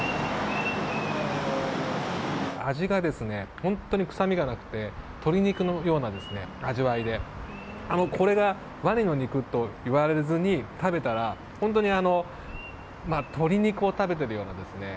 味が、本当に臭みがなくて鶏肉のような味わいでこれがワニの肉と言われずに食べたら本当に鶏肉を食べてるような。